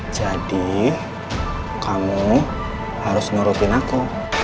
jadi kamu harus narutin aku